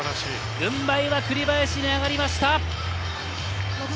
軍配は栗林に上がりました。